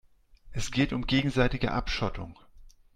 Es geht um gegenseitige Abschottung.